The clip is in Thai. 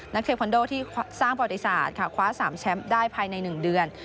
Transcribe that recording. เทคอนโดที่สร้างประวัติศาสตร์ค่ะคว้า๓แชมป์ได้ภายใน๑เดือน